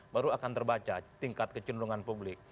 baru akan terbaca tingkat kecenderungan publik